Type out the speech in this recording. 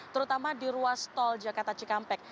terutama di ruas tol jakarta cikampek